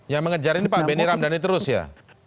yang mengejar ini pak benny ramdhani terus ya